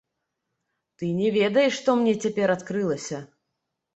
Ты не ведаеш, што мне цяпер адкрылася!